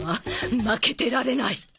負けてられない！